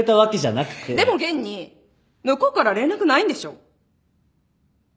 でも現に向こうから連絡ないんでしょ？